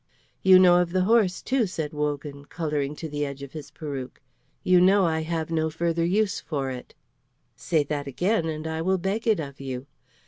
"You know of the horse, too," said Wogan, colouring to the edge of his peruke. "You know I have no further use for it." "Say that again, and I will beg it of you."